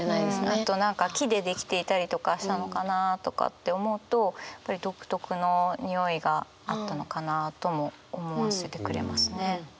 あと何か木で出来ていたりとかしたのかなとかって思うとやっぱり独特のにおいがあったのかなとも思わせてくれますね。